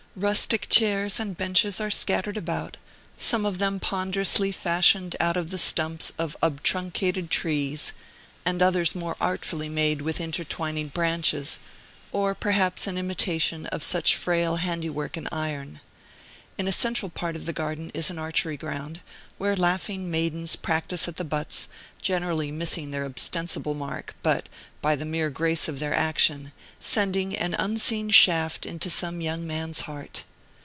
Rustic chairs and benches are scattered about, some of them ponderously fashioned out of the stumps of obtruncated trees, and others more artfully made with intertwining branches, or perhaps an imitation of such frail handiwork in iron. In a central part of the Garden is an archery ground, where laughing maidens practise at the butts, generally missing their ostensible mark, but, by the mere grace of their action, sending an unseen shaft into some young man's heart.